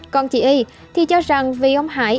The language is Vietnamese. còn chị y thì cho rằng vì ông hải